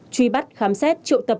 truy bắt khám xét trụ tập các đối tượng